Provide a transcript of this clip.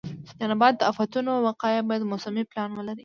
د نبات د آفتونو وقایه باید موسمي پلان ولري.